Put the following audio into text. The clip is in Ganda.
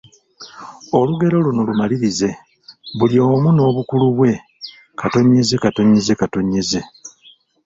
Olugero luno lumalirize: Buli omu n'obukulu bwe, …..